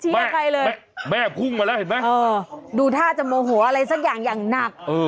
อ๋อแม่ไม่ฟูงมาแล้วเห็นมั้ยต้องถ้าจะโมโหอะไรสักอย่างอย่างหนัก